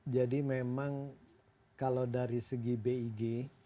jadi memang kalau dari segi big